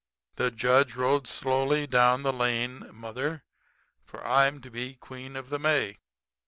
The judge rode slowly down the lane, mother. For I'm to be Queen of the May.'